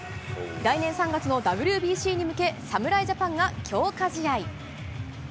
来年３月のＷＢＣに向け、侍ジャパンが強化試合。